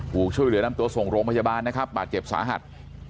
ถูกช่วยเหลือนำตัวส่งโรงพยาบาลนะครับบาดเจ็บสาหัส